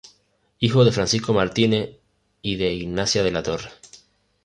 Hijo de Francisco Martínez y de Ignacia de la Torre.